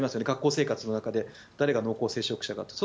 学校生活の中で誰が濃厚接触者か。